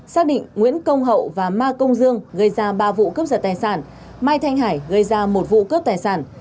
xác định nguyễn công hậu và ma công dương gây ra ba vụ cướp giật tài sản mai thanh hải gây ra một vụ cướp tài sản